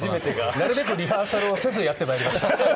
なるべくリハーサルをせずやってまいりました。